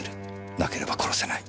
なければ殺せない。